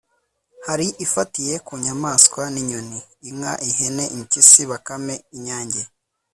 hari ifatiye ku nyamaswa n’inyoni (Inka, ihene, impyisi bakame ,inyange )